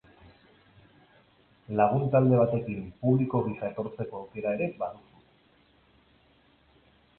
Lagun-talde batekin publiko gisa etortzeko aukera ere baduzu.